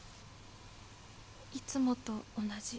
いつもと同じ。